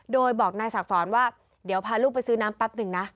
โดยบอกนายศักดิ์สอนว่าเดี๋ยวพาลูกไปซื้อน้ำแป๊บหนึ่งนะ